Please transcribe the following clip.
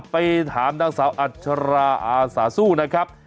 ไปถามนางสาวอัชราอาสาสู้นะครับ